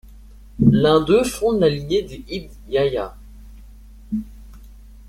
L’un d’eux fonde la lignée des Ibn Yahya.